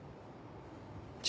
じゃ。